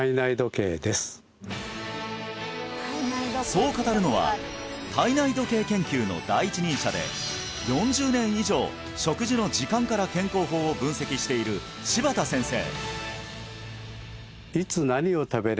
そう語るのは体内時計研究の第一人者で４０年以上食事の時間から健康法を分析している柴田先生